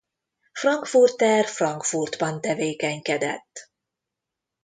Frankfurter Frankfurtban tevékenykedett.